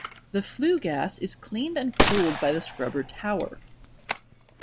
The flue gas is cleaned and cooled by the scrubber tower.